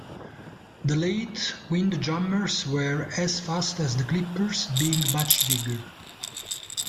The late windjammers were as fast as the clippers, being much bigger.